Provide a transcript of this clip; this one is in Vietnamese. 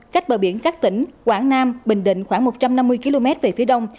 cách bờ biển các tỉnh quảng nam bình định khoảng một trăm năm mươi km về phía đông